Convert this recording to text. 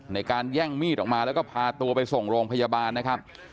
ในการแย่งมีดออกมาแล้วก็พาตัวไปส่งโรงพยาบาลนะครับ